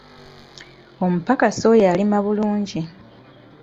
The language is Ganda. Omupakasi oyo alima bulungi.